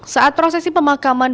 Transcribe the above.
saat prosesi pemakaman